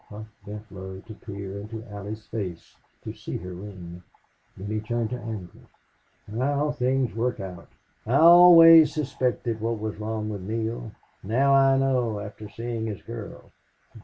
Hough bent low to peer into Allie's face to see her ring. Then he turned to Ancliffe. "How things work out!... I always suspected what was wrong with Neale. Now I know after seeing his girl."